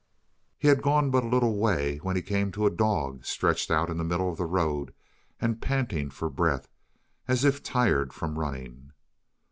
He had gone but a little way when he came to a dog stretched out in the middle of the road and panting for breath, as if tired from running.